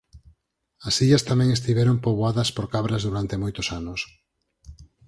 As illas tamén estiveron poboadas por cabras durante moitos anos.